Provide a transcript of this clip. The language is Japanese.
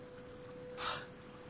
はっ？